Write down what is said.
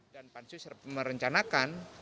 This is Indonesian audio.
dan pansus merencanakan